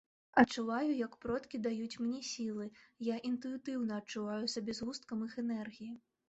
Адчуваю як продкі даюць мне сілы, я інтуітыўна адчуваю сябе згусткам іх энергіі.